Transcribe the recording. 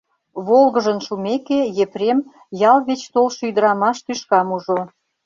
Волгыжын шумеке, Епрем ял веч толшо ӱдырамаш тӱшкам ужо.